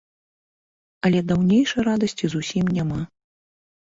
Але даўнейшай радасці зусім няма.